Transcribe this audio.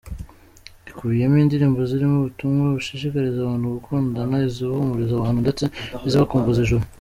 Ikubiyemo indirimbo zirimo ubutumwa bushishikariza abantu gukundana, izihumuriza abantu ndetse n’izibakumbuza ijuru.